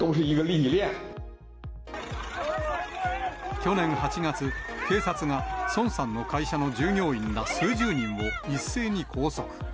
去年８月、警察が、孫さんの会社の従業員ら数十人を一斉に拘束。